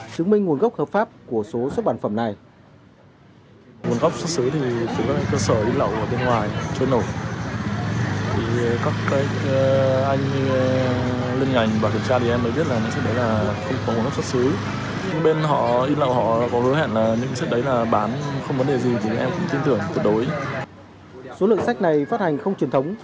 số lượng sách này phát hành không truyền thống